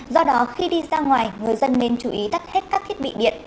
do đó khi đi ra ngoài người dân nên chú ý tắt hết các thiết bị điện